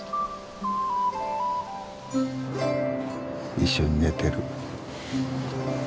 一緒に寝てる。